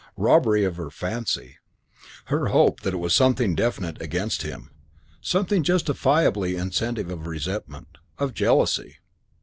Robbery of her fancy, her hope that it was something definite against him, something justifiably incentive of resentment, of jealousy!